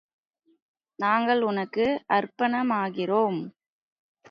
நாங்கள் உனக்கு அர்ப்பணமாகிறோம்.